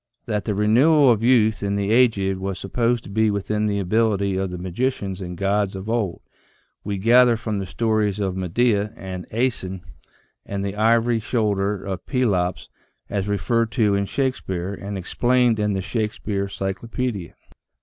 That the renewal of youth in the aged was supposed to be within the ability of the magicians and gods of old, we gather from the stories of Medea and Aeson and the ivory shoulder of Pelops, as referred to in Shakespeare, and explained in the " Shake speare Cyclopaedia."